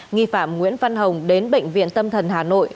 nghi phạm nguyễn văn hồng đến bệnh viện tâm thần hà nội